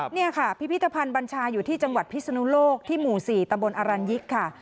นี่ค่ะพิพิธภัณฑ์บัญชาอยู่ที่จังหวัดพิศนุโลกที่หมู่๔ตำบลอรัญยิกค่ะ